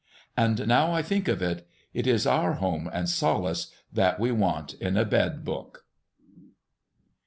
And now I think of it, it is our home and solace that we want in a bed book.